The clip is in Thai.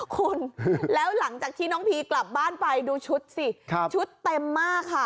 คุณแล้วหลังจากที่น้องพีกลับบ้านไปดูชุดสิชุดเต็มมากค่ะ